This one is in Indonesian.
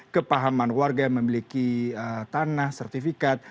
kepahaman warga yang memiliki tanah sertifikat